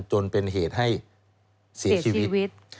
จนเป็นเหตุให้เสียชีวิต